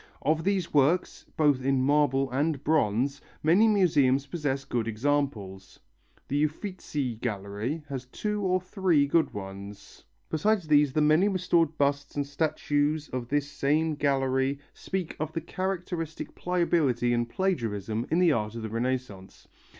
Of these works, both in marble and bronze, many museums possess good examples. The Uffizi Gallery has two or three good ones; besides these the many restored busts and statues of this same Gallery speak of the characteristic pliability and plagiarism in art of the Renaissance.